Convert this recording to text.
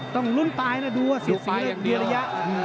ต้องลุ้นตายนะดูว่าสิทธิ์สีเรียกเรียยะ